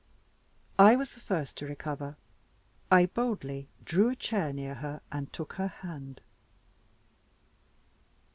I was the first to recover; I boldly drew a chair near her and took her hand.